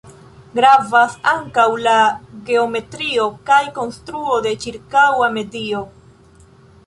Gravas ankaŭ la geometrio kaj konstruo de ĉirkaŭa medio.